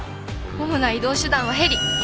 主な移動手段はヘリ。